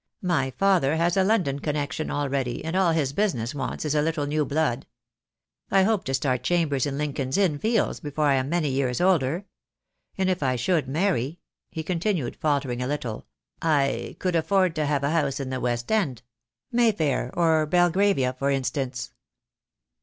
My father has a London connection already, and all his business wants is a little new blood. I hope to start chambers in Lincoln's Inn Fields before I am many years older. And if I should marry," he continued, faltering a little, "I could afford to have a house in the West End — May Fair or Belgravia, for instance."